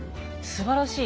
すばらしい。